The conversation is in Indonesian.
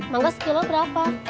mau gas kilo berapa